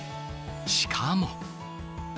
しかも。